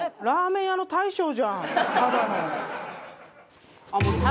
ラーメン屋の大将じゃんただの。